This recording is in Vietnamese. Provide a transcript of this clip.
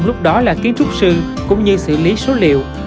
lắp đặt đều có nguyên nhân và ý nghĩa